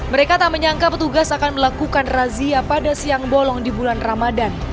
mereka tak menyangka petugas akan melakukan razia pada siang bolong di bulan ramadan